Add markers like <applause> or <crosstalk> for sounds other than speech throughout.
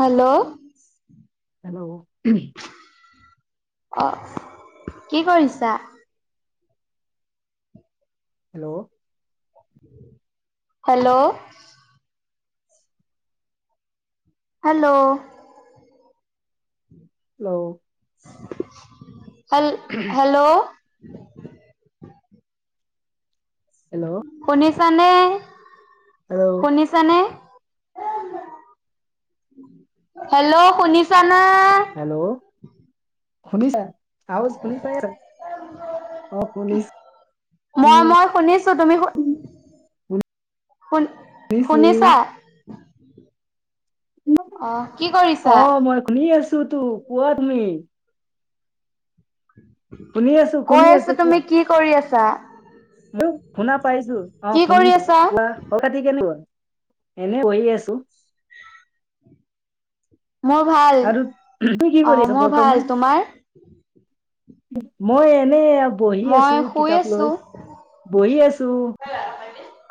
Hello. Hello. অঁ কি কৰিছা? Hello. <inaudible> Hello. Hello. Hello. Hello hello. Hello. শুনিছানে? হেল্ল' শুনিছানে? হেল্ল' শুনিছানে? হেল্ল' শুনিছা? আৱাজ শুনি পাইছা? অ মই শুনিছোঁ। মই শুনিছো তুমি শু শুন নিছোঁ। শুনিছা অ কি কৰিছা অ মই শুনি আছো তো, কোৱা তুমি? শুনি আছো কৈ শুনি আছো, তুমি কোৱা কি কৰি আছা? শুনা পাইছো অ কি কৰি শুনিছোঁ, আছা কোৱা? খবৰ - খাতি কেনেকুৱা? এনে বহি আছো। মোৰ ভা আৰু উহু তুমি কি কৰি আছা বৰ্তমান? তোমাৰ মই এনে ইয়াত বহি আছো মই শুই কিতাপ আছো লৈ, বহি আছো।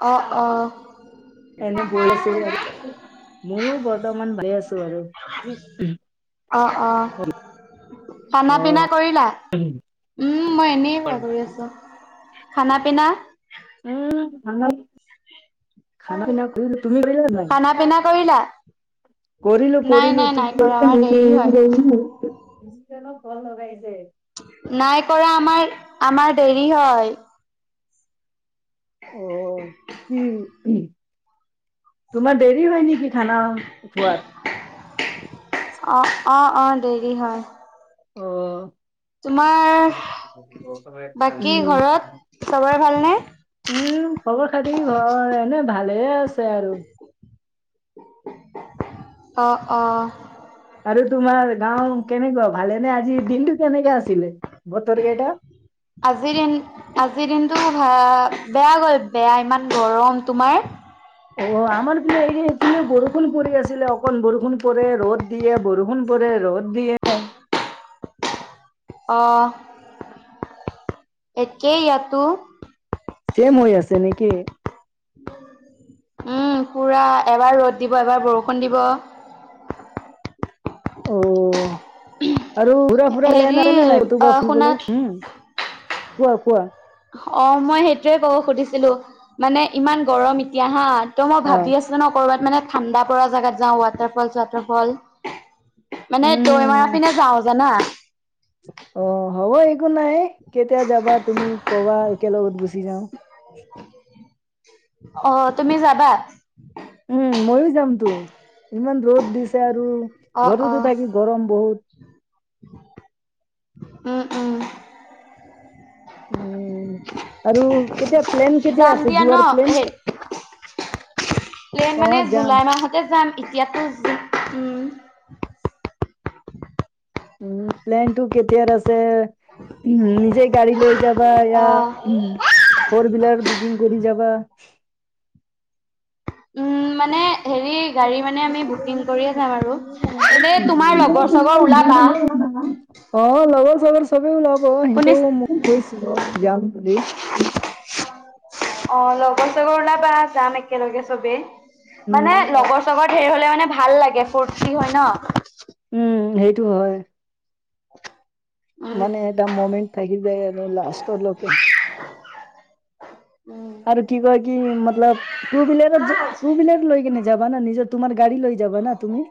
অ অ। এনে গৈ আছো আৰু মোৰো বৰ্তমান ভাল আছ অ অ। খানা - পিনা কৰিলা? উম মই এনে বাগৰি অ আছো। খানা পিনা? উম <unintelligible> খানা পিনা কৰিলো, তুমি কৰিলা নে নাই? খানা পিনা কৰিলা? কৰিলো নাই কৰিলো, নাই নাই তুমি কৰা আমাৰ দেৰি হয়। <unintelligible> নিজে ন ফল লগাই আছে। নাই কৰা আমাৰ, আমাৰ দেৰি হয়। অ, কি উহু? তোমাৰ দেৰি হয় নেকি খানা খোৱাত? অঁ অঁ অঁ দেৰি হয়। অ। তোমাৰ উম বাকী ঘৰত চবৰে ভালনে? উম খবৰ খাতি ঘৰত এনে ভালে আছে আৰু। অ অ। আৰু তোমাৰ গাও কেনেকুৱা ভালেনে আজি দিনটো কেনেকুৱা আছিলে বতৰ কেইটা? আজি দিন আজিৰ দিনটো ভা বেয়া গ'ল বেয়া ইমান গৰম তোমাৰ? অ আমাৰ পিনে এই ৰে এইখিনি বৰষুণ পৰি আছিলে অকণ বৰষুণ পৰে ৰ'দ দিয়ে বৰষুণ পৰে ৰ'দ দিয়ে। অ একেই ইয়াতো। চেম হৈ আছে নেকি? উম পুৰা, এবাৰ ৰ'দ দিব এবাৰ বৰষুণ দিব। অ আৰু ঘুৰা ফুৰা প্লেন হেৰি আছে নে নাই কতোবা অ' ফুৰিবলৈ শুনা হুম? কোৱা কোৱা? অ মই সেইটোৱে ক'ব খুধিছিলো মানে ইমান গৰম এতিয়া হা, ত মই অ ভাবি আছ ছে ন ক'ৰবাত মানে ঠাণ্ডা পৰা জেগাত যাওঁ ৱাটাৰ ফল - চোৱাটাৰ ফল মানে দৈ মৰা উম পিনে যাও জানা? অ হ'ব একো নাই, কেতিয়া যাবা তুমি কবা একেলগত গুচি যাও? অ তুমি যাবা? উম ময়ো যামতো, ইমান ৰ'দ দিছে আৰু অ অ ঘৰতো থাকি গৰম বহুত। উম উম। উম আৰু কেতিয়া প্লেন কেতিয়া যাম আছে দিয়া ন যোৱাৰ প্লেন? সেই প্লেন অ মানে যাম জুলাই মাহতে যাম এতিয়াতো উমঁ। উমঁ প্লেন টো কেতিয়াৰ আছে- উমঁ নিজেই গাড়ী লৈ যাবা অ ইয়াৰ উমঁ। সৰ বিলাক বুকিং কৰি যাবা। উমঁ মানে- হেৰি অ গাড়ী মানে আমি বুকিং কৰিয়ে যাম আৰু এনে তোমাৰ লগৰ চগৰ ওলাবা। অঁ লগৰ চগৰ সবে ওলাব সেইটো শুনিছ মোক কৈছিলে, যাম বুলি। অঁ লগৰ চাগৰ ওলাবা যাম একেলগে সবেই মানে উম লগৰ চাগৰ ধেৰি হ'লে মানে- ভাল লাগে ফূৰ্তি হয়ঁ ন। উমঁ সেইটো হয়। চেক্- মানে এটা মমেণ্ট থাকি যায় আৰু আৰু লাষ্টৰ লৈকে। উম আৰু কি কয় কি মতলব টু ভিলেৰত লৈ কেনে যাবানা নিজৰ- তোমাৰ গঢ়ী লৈ যাবা না তুমি?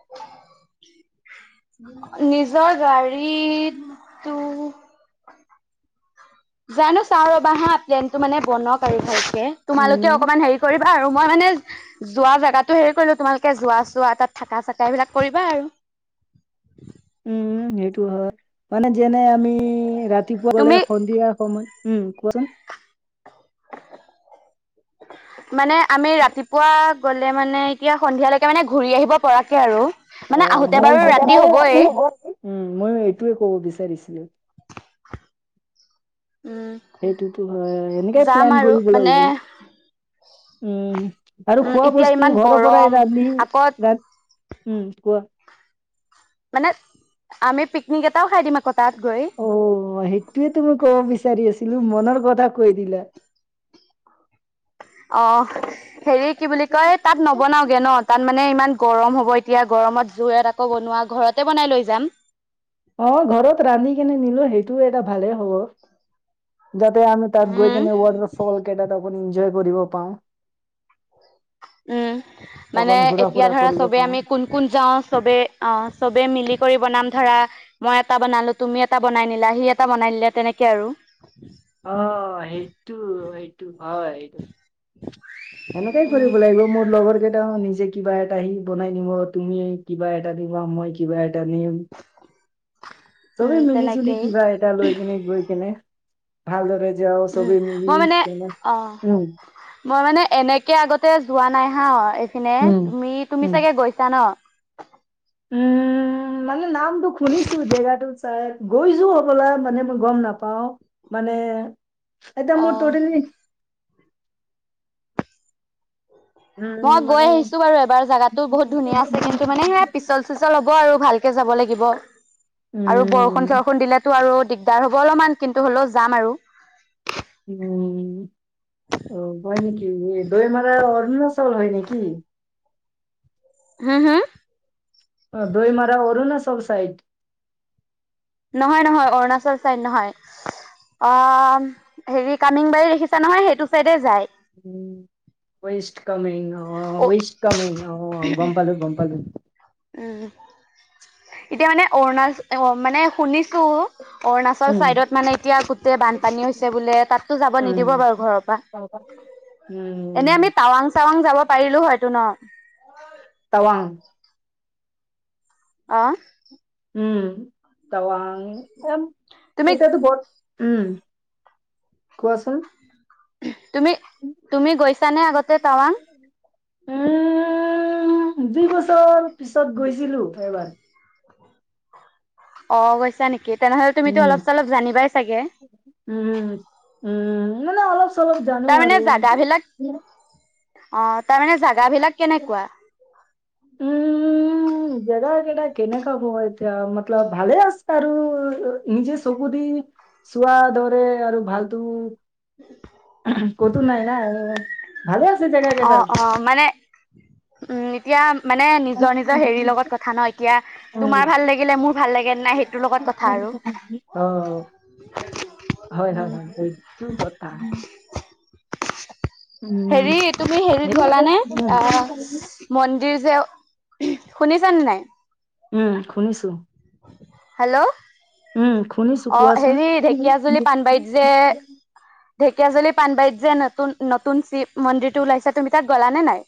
নিজৰ গাড়ীটো- জানো চাওঁ ৰবা হা প্লেনটো মানে বনোৱা কাৰিফ হৈছে তোমালোকে উম অকমান হেৰি কৰিবা আৰু মই মানে- যোৱা জেগাতো হেৰি কৰিলো তোমালযোৱা চোৱা তাত থাকা চাকা এইবিলাক কৰিবা আৰু। উমঁ সেইটো হয়। মানে যেনে আমি ৰাতিপুৱা গ'লে তুমি সন্ধিয়া সময় উমঁ কোৱাচোন। মানে আমি ৰাতিপুৱা গ'লে মানে এতিয়া সন্ধিয়ালৈকে মানে ঘূৰি আহিব পৰাকে আৰু। মানে আহোতে অঁ বাৰু একেবাৰে হ'বই ৰাতি সৱ নেকি? উমঁ মই এইটোয়ে কব বিচাৰিছিলোঁ। উমঁ! সেইটোতো হয়ঁ এনেকে প্লেন কৰিব লাগিব। মানে উমঁ আৰু উম, খোৱা এতিয়া বস্তু ইমান ঘৰৰ পৰাই গৰম ৰান্ধি আকৌ ৰা- উমঁ কোৱা? মানে আমি পিকনিক এটাও খাই দিম আকৌ তাত গৈ। অঁ সেইটোয়েটো মই ক'ব বিচাৰি আছিলোঁ মনৰ কথা কৈ দিলা। অঁ হেৰি কি বুলি কয় তাত ন- বনাওগে ন তাত মানে ইমান গৰম হ'ব এতিয়া গৰমত গৈ আকৌ বনোৱা ঘৰতে বনাই লৈ যাম। অঁ ঘৰত ৰান্ধি কেনে নিলো সেইটোও এটা ভালে হ- হ'ব যাতে আমি তাত গৈ উম, কিনে ৱাটাৰ ফল কেইটা এনজয় কৰিব পাওঁ। উমঁ মানে অকণ ঘূৰা এতিয়া ফুৰা ধৰা কৰিব চবে পাওঁ। আমি কোন- কোন যাওঁ চবেই অ চবে মিলি কৰি বনাম ধৰা। মই এটা বনালো তুমি এটা বনাই নিলা সি এটা বনাই নিলে তেনেকে আৰু। অঁ সেইটো সেইটো হয়। সেনেকেই কৰিব উম। লাগিব মোৰ লগৰ কেইটাখন নিজ- যে কিবা এটা সি বনাই নিব তুমি কিবা এটা নিবা মই কিবা এটা নিম। চবে উম, মিলিজুলি তেনেকেই কিবা এ- লৈ কেনে গৈ কেনে ভালদৰে যাওঁ উম, চবেই মিলি মই মানে কেনে অ', উমঁ। মই মানে এনেকে আগতে যোৱা নাই হা এইফিনে উম তুমি তুমি চাগে গৈছা ন। উমঁ মানে নামটো শুনিছোঁ জেগাটোচ। তাত গৈছোঁ হ'বলা মানে মই গম নাপাওঁ মানে- এতিয়া মোৰ তৰিন নি উম মই গৈ মানে আহিছো বাৰু এবাৰ জোগাতটো বহুত ধুনীয়া আছে কিন্তু মানে সে পিছল। পিছল হব আৰু ভালকে যাব লাগিব আৰু বৰষুণ উম চৰষুণ দিলেতো আৰু দিগ- তাৰ হ'ব অলপমান কিন্তু হ'লেও যাম আৰু উম', অ, হয় নেকি। এই দৈ মাৰা অৰুণাচল হয় নেকি? হম। হম অ', দৈ মৰা অৰুণাচল চাইড নহয়। নহয়। অৰুণাচল ছাইদ নহয়। অ', হেৰি কামিংবাৰী দেখিছা নহয়। সেইটো চাইডে যায়। উ', ৱষ্ট কামেং অ, ৱষ্ট কামেং অ, গম পালো। গম পালো। উম', এতিয়া মানে অৰুণাচল মানে শুনিছো। অৰুণাচল উম চাইডত মানে এতিয়া গোটেই বানপানী হৈছে বোলে, তাতো যাব উম নিদিব উম বাৰু ঘৰৰ পৰা <unintelligible> এনে আমি উম টাৱাং চাৱাং যাব পাৰিলো হয়তো ন? টাৱাং? অ', উম', টাৱাং তুমি এতিয়টো বত উম', কোৱাচোন? তুমি তুমি গৈছানে আগতে টাৱাং? উম, দুই বছৰ পিছত গৈছিলো। এবাৰ অ', গৈছা নেকি? তেনেহ'লে তুমিতো উম অলপ চলপ জানিবাই চাগে। উম', উম, মানে অলপ চলপ জানো তাৰমানে আৰু জাগাবিলাক অ', তাৰ মানে জাগাবিলাক কেনেকুৱা? উম', উম', জেগা কেইটা কেনেকা হ'ব এতিয়া মতলব ভালে আছে আৰু নিজে চকুদি চোৱা দৰে আৰু ভালতো ক'তো নাই না, ভালেই আছে। জেগা অ কেইটা অ', মানে উম, এতিয়া মানে নিজৰ নিজৰ হেৰিৰ লগত কথা ন এতিয়া উম তোমাৰ ভাল লাগিলে। মোৰ ভাল লাগে। সেইটোৰ কথা আৰু অ', হয়। হয়। হয়। এইটো কথা। উম হেৰি তুমি হেৰিত সেইটো গ'লানে? আ', মন্দিৰ যে, শুনিছানে নাই? উম', শুনিছো। হেল্ল', উম শুনিছো অ, কোৱাচোন হেৰি ঢেকীয়াজুলি পাানবাৰীত যে, ঢেকীয়াজুলী পাণবাৰীত যে নতুন নতুন শিৱ ওলাইছে তুমি তাত গ'লা নে নাই?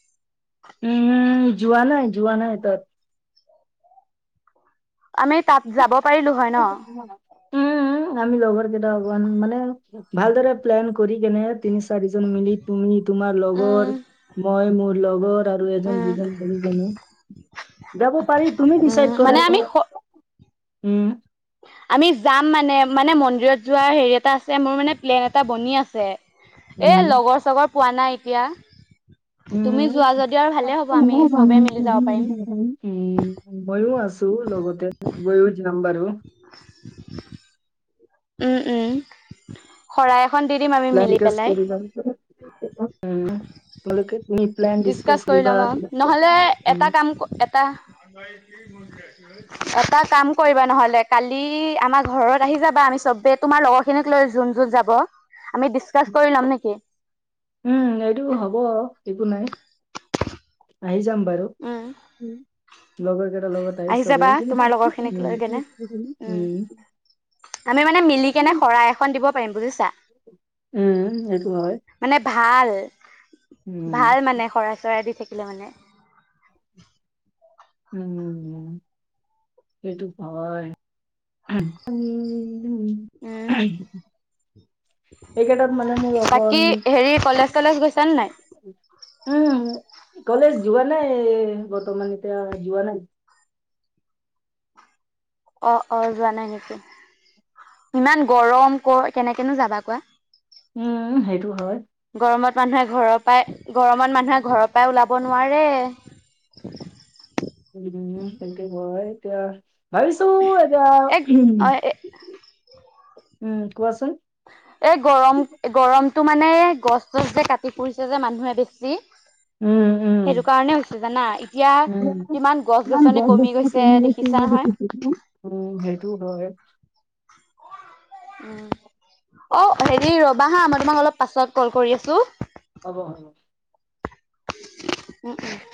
উম', যোৱা নাই। যোৱা নাই। তাত আমি তাত যাব পাৰিলো হয় ন। উম', আমি লগৰ কেইটা অকমান মানে ভালদৰে প্লেন কৰি কেনে। তিনি চাৰিজন মিলি তুমি তোমাৰ উম লগৰ মই মোৰ লগৰ আৰু এজন উম দুজন দুজনে যাব পাৰি। তুমি উম ডিচাইড কৰা। মানে আমি উম', আমি যাম মানে মানে মন্দিৰত যোৱাৰ হেৰি এটা আছে। মোৰ মানে প্লেন এটা বনি আছে। উম এ', লগৰ চগৰ পোৱা নাই। এতিয়া তুমি যোৱা উম', <unintelligible> যদি আৰু ভালে হ'ব আমি চবে মিলি যাব পাৰিম। উম', ময়ো আছো লগতে ময়ো যাম বাৰু <inaudible> উম', উম, শৰাই এখন দি দিম প্লেন আমি পেলাই। <unintelligible> উম। <unintelligible> ডিচকাচ কৰি কৰিবা লম আৰু, নহলে উম এটা কাম এটা এটা কাম কৰিবা নহলে কালি আমাৰ ঘৰত আহি যাবা, আমি চবে তোমাৰ লগৰ খিনিক লৈ যোন যোন যাব, আমি ডিচকাচ কৰি লম নেকি? উম, এইটো হ'ব একো নাই, আহি যাম বাৰু। উম। উম, লগৰ তাৰ লগত আহি যাবা চবেই তোমাৰ লগৰখিনিক লৈ <unintelligible> মানে মানে মিলি কেনে শৰাই এখন দিব পাৰিম বুজিছা। উম, সেইটো হয়। মানে ভাল, উম ভাল মানে শৰাই চৰাই দি থাকিলে মানে। উম, সেইটো হয়। আমি উম এইকেইটাত মানে মোৰ লগৰ। বাকী হেৰি কলেজ চলেজ গৈছানে নাই উম' কলেজ যোৱা নাই, বৰ্তমান এতিয়া যোৱা নাই। অ' অ' যোৱা নাই নেকি, ইমান গৰম ক কেনেকে নো যাবা কোৱা। উম ' সেইটো হয়। গৰমত মানুহে ঘৰৰ পাই, গৰমত মানুহে ঘৰৰ পাই ওলাব নোৱাৰে। <unintelligible> এতিয়া। ভাবিছো এতিয়া, এক অ' উম ' কোৱাচোন? এই গৰম গৰমটো মানে গছ চছ যে কাটি ফুৰিছে যে মানুহে বেছি। উম উম সেইটো কাৰণে হৈছে জানা এতিয়া উম কিমান গছ গছনি কমি গৈছে দেখিছা নহয়? উম' সেইটো হয়। অ হেৰি ৰ'বা হা, মই তোমাক অলপ পাছত কল কৰি আছো। হ'ব, হ'ব। <unintelligible>